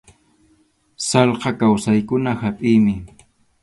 Sallqa kawsaqkuna hapʼiymi.